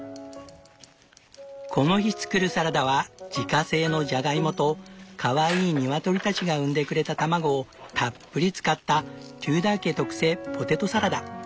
この日作るサラダは自家製のじゃがいもとかわいい鶏たちが産んでくれた卵をたっぷり使ったテューダー家特製ポテトサラダ。